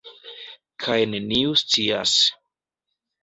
Kaj neniu scias.